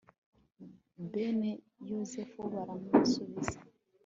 bene yozefu baramusubiza